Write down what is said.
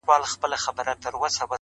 له غرونو واوښتم- خو وږي نس ته ودرېدم -